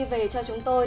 về cho chúng tôi